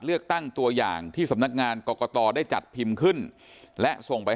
เลือกตั้งตัวอย่างที่สำนักงานกรกตได้จัดพิมพ์ขึ้นและส่งไป